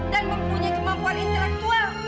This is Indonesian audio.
dan mempunyai kemampuan intelektual